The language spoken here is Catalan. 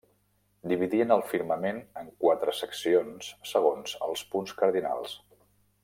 Dividien el firmament en quatre seccions segons els punts cardinals.